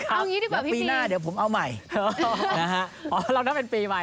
ต้องยิ่งดีกว่าพี่บีนะฮะอ๋อเราต้องเป็นปีใหม่